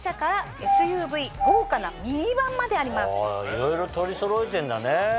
いろいろ取りそろえてんだね。